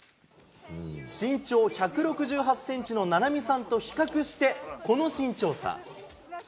身長１６８センチの菜波さんと比較してこの身長差。